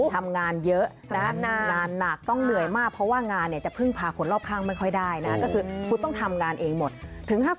ทำงานเยอะต้องเหนื่อยมากเพราะว่างานเนี่ยจะพึ่งพาคนรอบข้างไม่ค่อยได้นะก็คือ